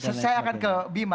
saya akan ke bima